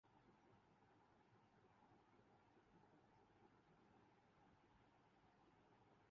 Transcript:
ایسے نوجوان جنہیں سیاست سے کوئی دلچسپی نہیں تھی۔